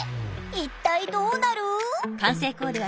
一体どうなる？